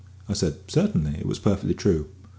I said, "Certainly; it was perfectly true."